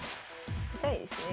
痛いですねえ